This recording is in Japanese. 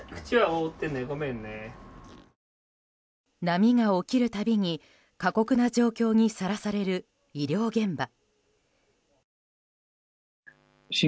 波が起きるたびに過酷な状況にさらされる医療現場。